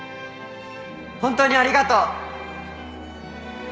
「本当にありがとう！」